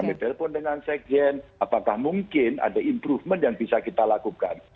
kami telepon dengan sekjen apakah mungkin ada improvement yang bisa kita lakukan